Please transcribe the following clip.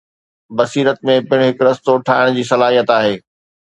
بصيرت ۾ پڻ هڪ رستو ٺاهڻ جي صلاحيت آهي.